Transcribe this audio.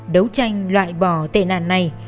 đấu tranh loại bỏ tệ nạn này